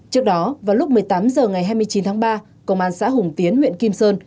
trước đó vào lúc một mươi tám h ngày hai mươi chín tháng ba công an xã hùng tiến huyện kim sơn